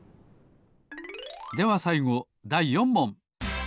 ではさいごだい４もん。